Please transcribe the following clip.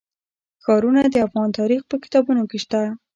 ښارونه د افغان تاریخ په کتابونو کې شته.